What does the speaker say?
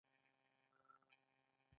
د نیم عمر له مخې رادیواکتیو عناصر له منځه ځي.